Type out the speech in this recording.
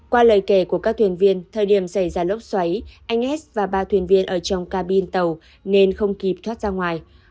qua lời kể của các thuyền viên thời điểm xảy ra lốc xoáy anh as và ba thuyền viên ở trong cabin tàu nên không kịp thoát ra ngoài